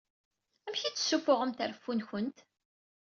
Amek i d-ssufuɣemt reffu-nkent?